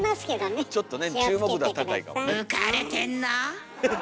浮かれてんな？